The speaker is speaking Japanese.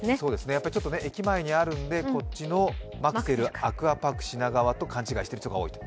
やっぱり駅前にあるのでマクセルアクアパーク品川と勘違いしてる人が多いと。